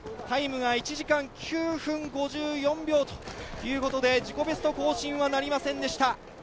タイム１時間９分５４秒ということで自己ベスト更新はなりませんでした。